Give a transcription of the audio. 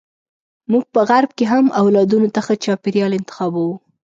موږ په غرب کې هم اولادونو ته ښه چاپیریال انتخابوو.